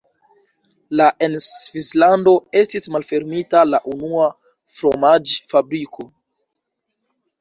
La en Svislando estis malfermita la unua fromaĝ-fabriko.